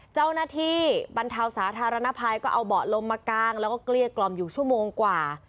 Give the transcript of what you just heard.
เจ้าหน้าที่บรรเทาสาธารณภัยก็เอาเบาะลมมากางแล้วก็เกลี้ยกล่อมอยู่ชั่วโมงกว่า